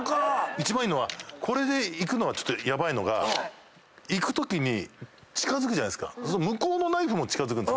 一番いいのはこれでいくのはちょっとヤバいのがいくときに近づくじゃないですかそうすると向こうのナイフも近づくんですよ